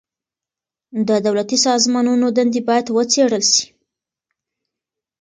د دولتي سازمانونو دندي بايد وڅېړل سي.